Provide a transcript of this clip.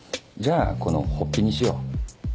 じゃあこのホッピにしよう。